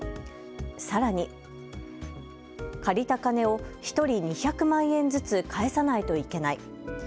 さらに借りた金を１人２００万円ずつ返さないといけない。